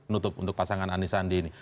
nutup untuk pasangan anisandi ini